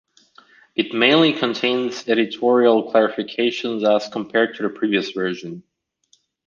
It mainly contains editorial clarifications as compared to the previous version.